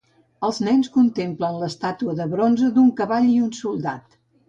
Els nens contemplen l'estàtua de bronze d'un cavall i un soldat.